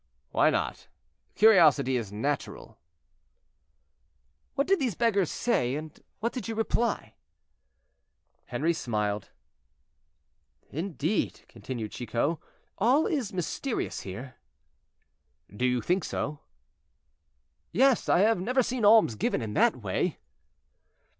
"Why not? Curiosity is natural." "What did these beggars say, and what did you reply?" Henri smiled. "Indeed," continued Chicot, "all is mysterious here." "Do you think so?" "Yes; I have never seen alms given in that way."